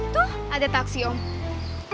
tuh ada taksi om